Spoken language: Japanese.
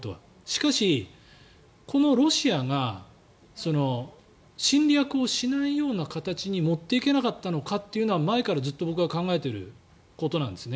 しかし、このロシアが侵略をしないような形に持っていけなかったのかというのは前からずっと僕は考えていることなんです。